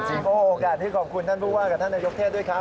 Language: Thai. โอ้โอกาสนี้ขอบคุณท่านผู้ว่ากับท่านนายกเทศด้วยครับ